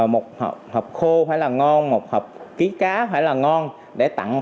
một hộp khô hay là ngon một hộp ký cá phải là ngon để tặng